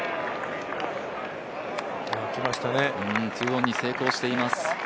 ２オンに成功しています。